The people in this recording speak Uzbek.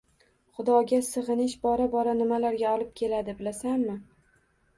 Xudoga sig‘inish bora-bora nimalarga olib keladi, bilasanmi?